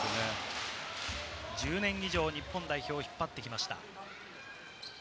１０年以上、日本代表を引っ張ってきました。